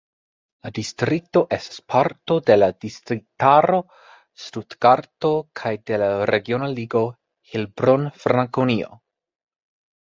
La distrikto estas parto de la distriktaro Stutgarto kaj de la regiona ligo Heilbronn-Frankonio.